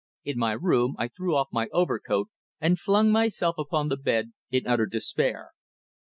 In my room I threw off my overcoat and flung myself upon the bed in utter despair.